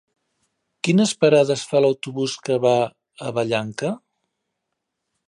Quines parades fa l'autobús que va a Vallanca?